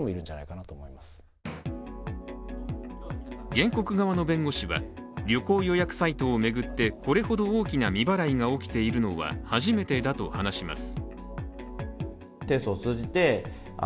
原告側の弁護士は、旅行予約サイトを巡ってこれほど大きな未払いが起きているのは初めてだと話します。